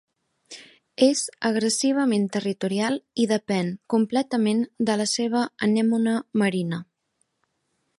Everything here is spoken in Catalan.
És agressivament territorial i depèn completament de la seva anémona marina.